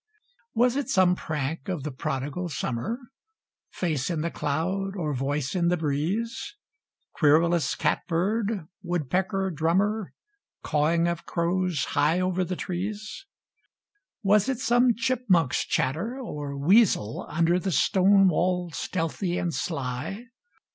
Was it some prank of the prodigal summer, Face in the cloud or voice in the breeze, Querulous catbird, woodpecker drummer, Cawing of crows high over the trees? Was it soame chipmunk's chatter, or weasel Under the stone wall stealthy and sly?